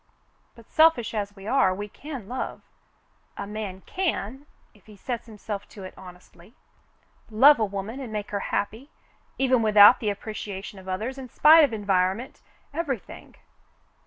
"But selfish as we are, we can love — a man can, if he sets himself to it honestly, — love a woman and make her happy, even without the appreciation of others, in spite of environment, — everything.